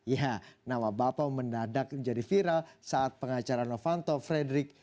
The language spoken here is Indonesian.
ya nama bapeo mendadak menjadi viral saat pengacara novanto frederick